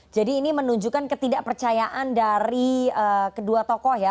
jadi ini menunjukkan ketidakpercayaan dari kedua tokoh ya